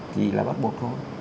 thì là bắt buộc thôi